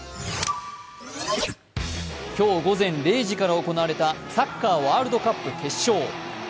今日午前０時から行われたサッカーワールドカップ決勝。